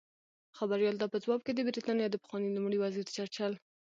خبریال ته په ځواب کې د بریتانیا د پخواني لومړي وزیر چرچل